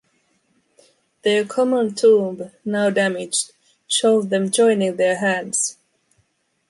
Their common tomb, now damaged, showed them joining their hands.